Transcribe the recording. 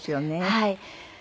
はい。